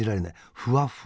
ふわふわ。